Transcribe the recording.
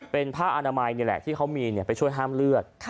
เป็นผ้าอนามัยนี่แหละที่เขามีไปช่วยห้ามเลือด